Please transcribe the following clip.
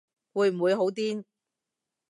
會唔會好癲